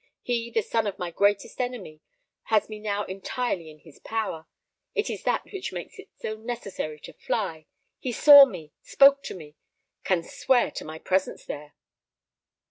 He, the son of my greatest enemy, has me now entirely in his power: it is that which makes it so necessary to fly; he saw me, spoke to me, can swear to my presence there."